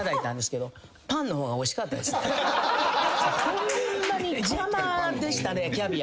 ホンマに邪魔でしたねキャビアが。